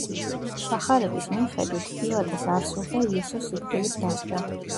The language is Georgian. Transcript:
სახარების მიხედვით, პილატეს არ სურდა იესოს სიკვდილით დასჯა.